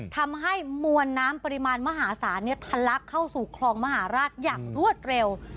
ทำให้มวลน้ำปริมาณมหาศาลทะลักเข้าสู่คลองมหาราชอย่างรวดเร็ว